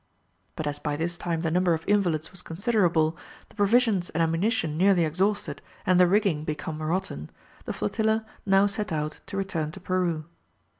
But as by this time the number of invalids was considerable, the provisions and ammunition nearly exhausted, and the rigging become rotten, the flotilla now set out to return to Peru.